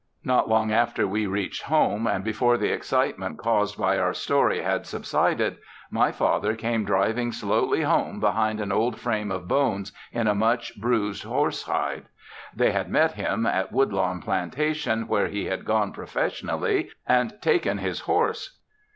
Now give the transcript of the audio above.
Not long after we reached home and before the excitement caused by our story had subsided my father came driving slowly home behind an old frame of bones in a much bruised horse hide. They had met him at Woodlawn plantation where he had gone professionally and taken his horse.